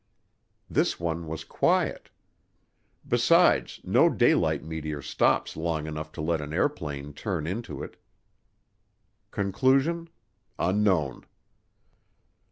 This one was quiet. Besides, no daylight meteor stops long enough to let an airplane turn into it. Conclusion: Unknown.